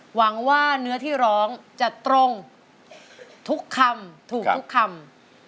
หวังว่าเนื้อที่ร้องจะตรงทุกคำถูกทุกคำ